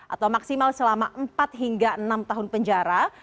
atau maksimal selama empat hingga enam tahun penjara